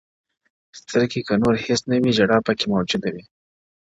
o سترگي كه نور هيڅ نه وي ژړا پكي مــــــوجــــوده وي،